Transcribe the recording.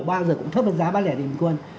bao giờ cũng thấp hơn giá bán lẻ bình quân